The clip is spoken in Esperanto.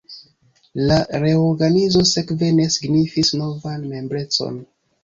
La reorganizo sekve ne signifis novan membrecon.